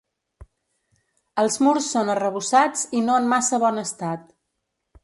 Els murs són arrebossats i no en massa bon estat.